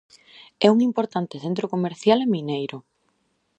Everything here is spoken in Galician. É un importante centro comercial e mineiro.